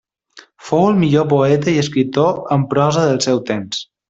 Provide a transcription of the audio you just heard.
Fou el millor poeta i escriptor en prosa del seu temps.